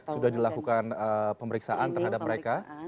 sudah dilakukan pemeriksaan terhadap mereka